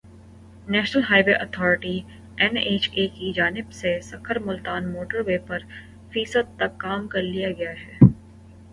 national Highway Authority N H A کی جانب سے سکھر ملتان موٹر وے پر فیصد تک کام کر لیا گیا ہے